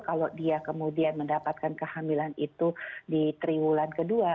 kalau dia kemudian mendapatkan kehamilan itu di triwulan kedua